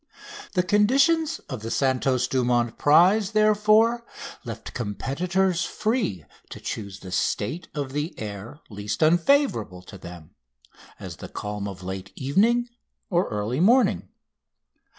The conditions of the Santos Dumont prize, therefore, left competitors free to choose the state of the air least unfavourable to them, as the calm of late evening or early morning.